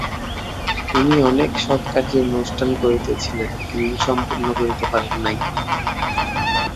তিনি অনেক সৎকার্যের অনুষ্ঠান করিতেছিলেন, কিন্তু সম্পন্ন করিতে পারেন নাই।